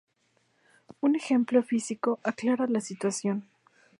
Un ejemplo físico aclara la situación.